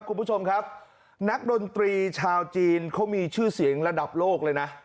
คุณผู้ชมครับนักดนตรีชาวจีนเขามีชื่อเสียงระดับโลกเลยนะ